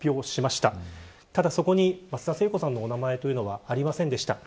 ただそこに、松田聖子さんのお名前はありませんでした。